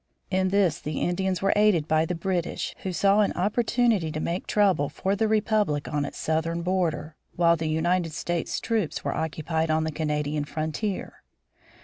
In this the Indians were aided by the British, who saw an opportunity to make trouble for the republic on its southern border, while the United States troops were occupied on the Canadian frontier.